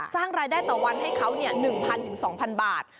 สร้างรายได้ต่อวันให้เขา๑๐๐๒๐๐บาท